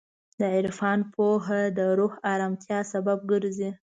د عرفان پوهه د روح ارامتیا سبب ګرځي.